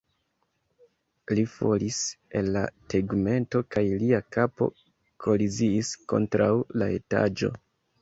Li falis el la tegmento kaj lia kapo koliziis kontraŭ la etaĝo.